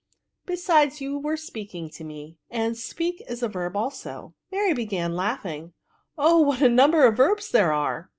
besides, you were speaking to me, and to speak is a verb also." Mary began laughing. '^ Oh, what a number of verbs tiiere are